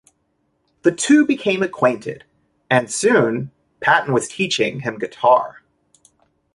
The two became acquainted, and soon Patton was teaching him guitar.